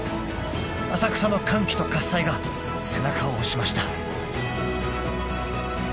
［浅草の歓喜と喝采が背中を押しました］